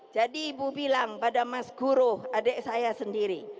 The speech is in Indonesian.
jadi ibu bilang pada mas guru adik saya sendiri